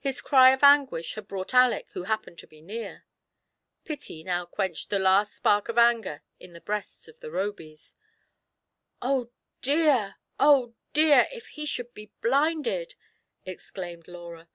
Hia cry of anguish had brought Aleck, who happened to be near. Pity now quenched the last spark of anger in the breasts of the Robys, "Oh dear! — oh dear I — if he should be blinded I" exclaimed Laura.